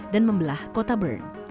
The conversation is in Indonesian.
dan membelah kota bern